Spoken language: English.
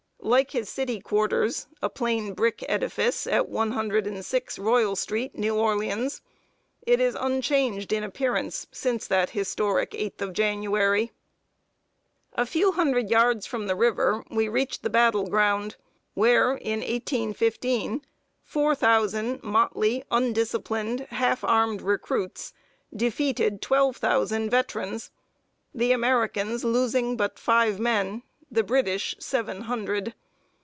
Like his city quarters a plain brick edifice, at one hundred and six, Royal street, New Orleans it is unchanged in appearance since that historic Eighth of January. A few hundred yards from the river, we reached the battle ground where, in 1815, four thousand motley, undisciplined, half armed recruits defeated twelve thousand veterans the Americans losing but five men, the British seven hundred.